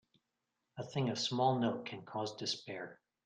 A thing of small note can cause despair.